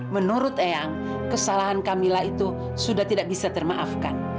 menurut eyang kesalahan kamila itu sudah tidak bisa termaafkan